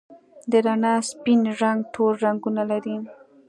د رڼا سپین رنګ ټول رنګونه لري.